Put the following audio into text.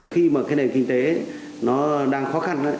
khi mà cái nền kinh tế nó đang khó khăn